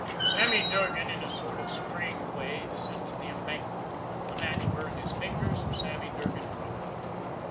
Sammy Durgan, in a sort of strained way, descended the embankment. The match burned his fingers, and Sammy Durgan dropped it.